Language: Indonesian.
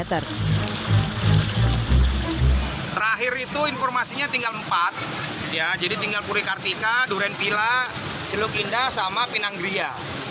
terakhir itu informasinya tinggal empat jadi tinggal purikartika durenpila celukinda dan pinanggeria